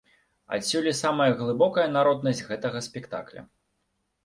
Адсюль і самая глыбокая народнасць гэтага спектакля.